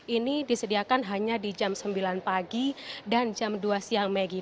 ini disediakan hanya di jam sembilan pagi dan jam dua siang maggie